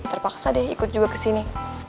terpaksa deh ikut juga ke sini